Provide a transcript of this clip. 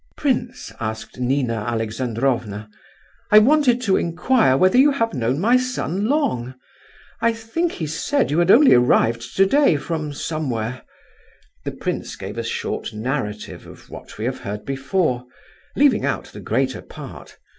"Prince," asked Nina Alexandrovna, "I wanted to inquire whether you have known my son long? I think he said that you had only arrived today from somewhere." The prince gave a short narrative of what we have heard before, leaving out the greater part.